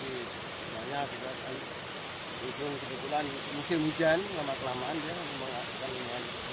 sebenarnya juga kan kebetulan musim hujan lama kelamaan dia akan mengalami hujan